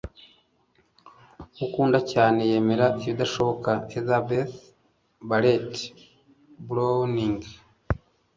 ukunda cyane yemera ibidashoboka. - elizabeth barrett browning